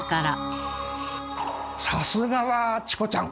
さすがはチコちゃん！